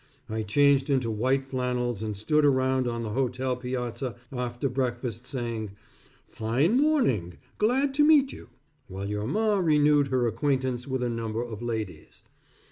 I changed into white flannels and stood around on the hotel piazza after breakfast saying, "Fine morning, Glad to meet you," while your Ma renewed her acquaintance with a number of ladies.